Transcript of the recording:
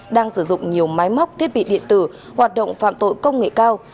đang sử dụng nhiều máy móc thiết bị điện tử hoạt động phạm tội công nghệ cao